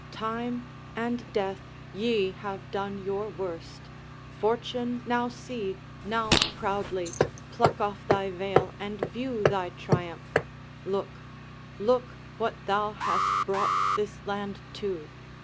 Time and Death, Ye have done your worst. Fortune, now see, now proudly Pluck off thy veil and view thy triumph; look, Look what thou hast brought this land to!